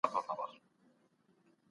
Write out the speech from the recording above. څه ډول ژمني د راتلونکي نسل ساتنه کوي؟